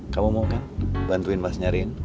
kamu mau kan bantuin mas nyarin